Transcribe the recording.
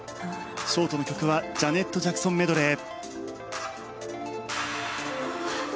ショートの曲はジャネット・ジャクソンメドレー。